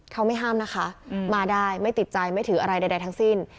เขาไม่ห้ามนะคะมาได้ไม่ติดใจไม่ถืออะไรใดทั้งสิ้น